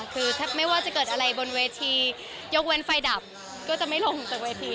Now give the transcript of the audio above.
คือถ้าไม่ว่าจะเกิดอะไรบนเวทียกเว้นไฟดับก็จะไม่ลงจากเวที